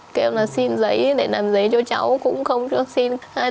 ừ kêu là xin giấy để làm giấy cho cháu cũng không cho xin hai